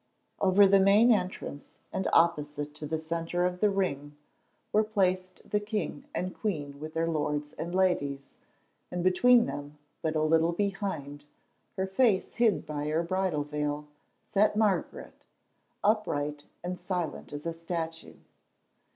Over the main entrance and opposite to the centre of the ring were placed the king and queen with their lords and ladies, and between them, but a little behind, her face hid by her bridal veil, sat Margaret, upright and silent as a statue.